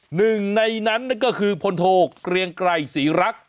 หนึ่งในนั้นก็คือพลโทเกรียงไกรศรีรัก